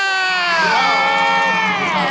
เย้